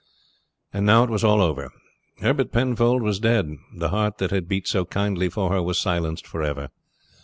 And now it was all over. Herbert Penfold was dead. The heart that had beat so kindly for her was silenced forever.